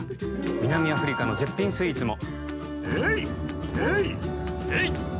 南アフリカの絶品スイーツも。